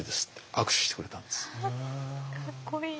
かっこいい。